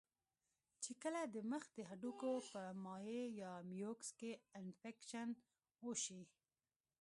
چې کله د مخ د هډوکو پۀ مائع يا ميوکس کې انفکشن اوشي